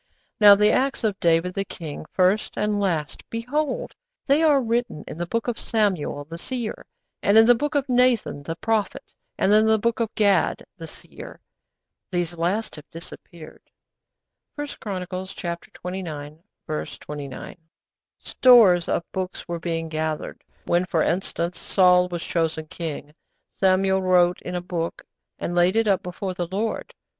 '_Now the acts of David the king, first and last, behold, they are written in the book of Samuel the seer, and in the book of Nathan the prophet, and in the book of Gad the seer._' (These last have disappeared.) (1 Chronicles xxix. 29.) Stores of books were being gathered. When, for instance, Saul was chosen king, Samuel '_wrote in a book and laid it up before the Lord.